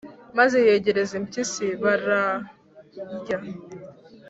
maze yegereza impyisi bararya